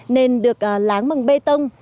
nền được láng bằng bê tông